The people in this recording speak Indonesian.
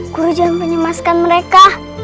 guru jangan mencemaskan mereka